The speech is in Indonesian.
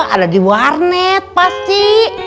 ada di warnet pasti